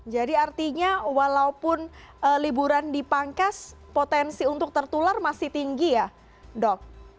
jadi artinya walaupun liburan dipangkas potensi untuk tertular masih tinggi ya dok